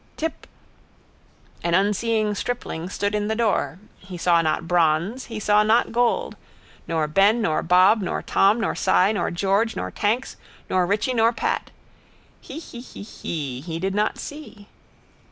Tip. An unseeing stripling stood in the door. He saw not bronze. He saw not gold. Nor Ben nor Bob nor Tom nor Si nor George nor tanks nor Richie nor Pat. Hee hee hee hee. He did not see.